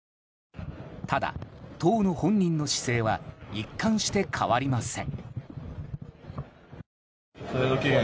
ただ、当の本人の姿勢は一貫して変わりません。